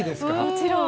もちろん！